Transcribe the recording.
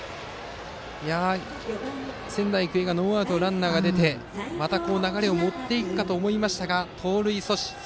仙台育英がノーアウトのランナーを出してまた流れを持っていくかと思いましたが盗塁阻止。